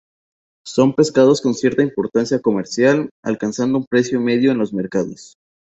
Son pescados con cierta importancia comercial, alcanzando un precio medio en los mercados.